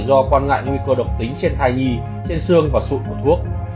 do quan ngại nguy cơ động tính trên thai nhì trên xương và sụn của thuốc